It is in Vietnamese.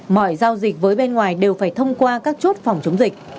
mọi giao dịch với bên ngoài đều phải thông qua các chốt phòng chống dịch